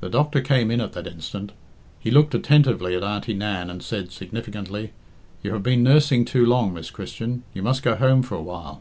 The doctor came in at that instant. He looked attentively at Auntie Nan, and said significantly, "You have been nursing too long, Miss Christian, you must go home for a while."